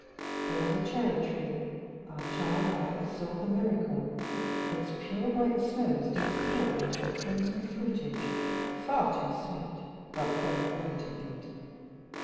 There was a cherry tree our child eyes saw The miracle: Its pure white snows did thaw Into a crimson fruitage, far too sweet But for a boy to eat.